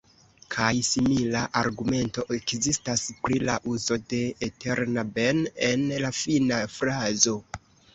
Kaj simila argumento ekzistas pri la uzo de "eterna ben'" en la fina frazo.